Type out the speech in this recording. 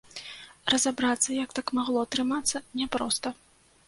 Разабрацца, як так магло атрымацца, няпроста.